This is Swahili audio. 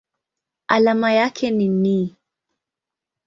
Alama yake ni Ni.